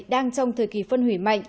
đang trong thời kỳ phân hủy mạnh